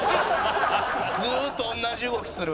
「ずーっと同じ動きする」